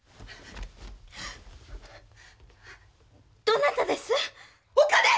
・どなたです！